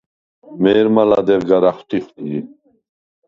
მე̄რმა ლადეღ გარ ა̈ხვტიხდ ჟი.